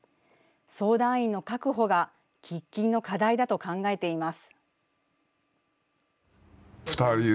相談員の確保が喫緊の課題だと考えています。